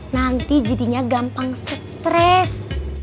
nanti jadinya gampang stres